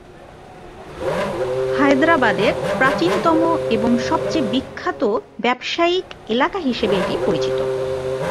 হায়দ্রাবাদের প্রাচীনতম এবং সবচেয়ে বিখ্যাত ব্যবসায়িক এলাকা হিসেবে এটি পরিচিত।